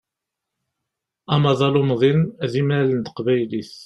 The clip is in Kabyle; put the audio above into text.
Amaḍal umḍin d imal n teqbaylit.